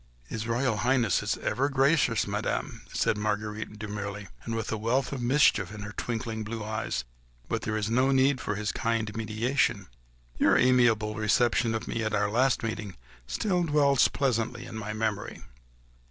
"His Royal Highness is ever gracious, Madame," said Marguerite, demurely, and with a wealth of mischief in her twinkling blue eyes, "but here there is no need for his kind mediation. ... Your amiable reception of me at our last meeting still dwells pleasantly in my memory."